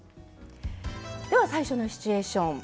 では最初のシチュエーション